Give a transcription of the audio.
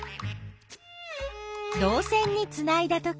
どう線につないだとき